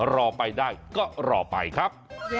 รอไปได้ก็รอไปครับ